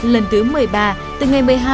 lần thứ một mươi ba từ ngày một mươi hai